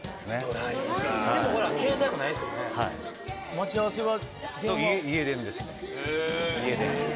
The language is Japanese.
待ち合わせは？